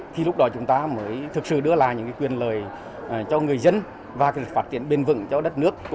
khi lúc đó chúng ta mới thực sự đưa lại những cái quyền lời cho người dân và phát triển bền vững cho đất nước